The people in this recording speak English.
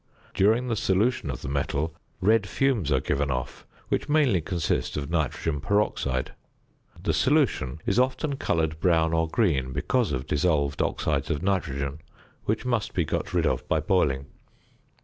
During the solution of the metal red fumes are given off, which mainly consist of nitrogen peroxide. The solution is often coloured brown or green because of dissolved oxides of nitrogen, which must be got rid of by boiling.